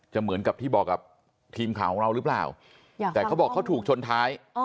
เหมือนกับที่บอกกับทีมข่าวของเราหรือเปล่าแต่เขาบอกเขาถูกชนท้าย